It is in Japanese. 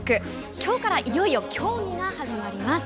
今日からいよいよ競技が始まります。